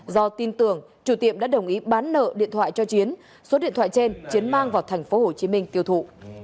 do tin tưởng chủ tiệm đã đồng ý bán nợ điện thoại cho chiến số điện thoại trên chiến mang vào thành phố hồ chí minh tiêu thụ